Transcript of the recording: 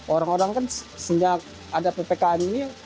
orang orang kan sejak ada ppkannya